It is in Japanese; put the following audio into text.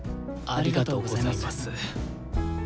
ありがとうございます。